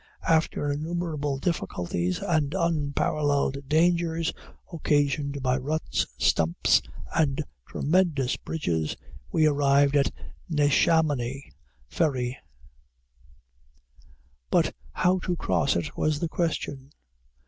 After innumerable difficulties and unparalleled dangers, occasioned by ruts, stumps, and tremendous bridges, we arrived at Neshamony ferry: but how to cross it was the question.